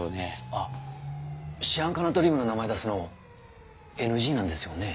あっシアン化ナトリウムの名前出すのＮＧなんですよね？